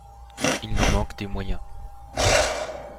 Il nous manque des moyens.